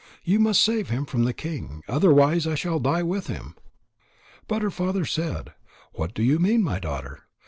You must save him from the king. Otherwise I shall die with him." But her father said: "What do you mean, my daughter?